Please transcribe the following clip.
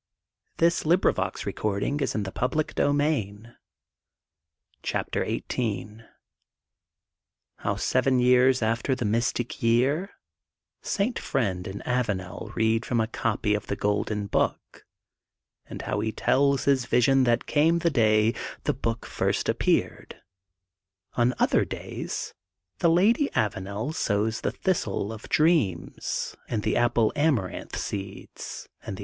This is the day of going forth against Singapore. "\ CHAPTER XVItE HOW SBVEN TEARS AFTER THE MYSTIC TEAR ST FRIEND AND AVANEL READ FROM A COPT OF THE GOLDEN BOOK AND HOW HE TELLS HIS VISION THAT CAME THE DAT THE BOOK FIRST •AP. FEARED. ON OTHER DATS THE LADT AVANEL SOWS THE THISTLE OF DREAMS AND THE APPLE AMARANTH SEEDS AND THE